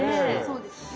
そうですよね。